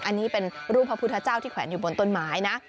อันนี้เป็นรูปพระพุทธเจ้าที่แขวนอยู่บนต้นไม้นะ